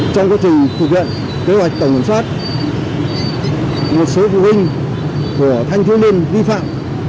trong quá trình thực hiện kế hoạch tổng soát một số phụ huynh của thanh thiếu niên vi phạm